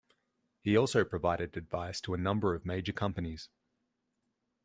He also provided advice to a number of major companies.